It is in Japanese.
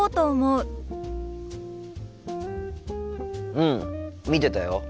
うん見てたよ。